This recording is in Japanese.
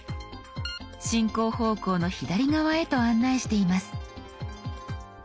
進行方向の左側へと案内しています。